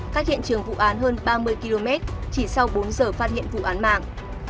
cách hiện trường vụ án hơn ba mươi km chỉ sau bốn giờ phát hiện vụ án mạng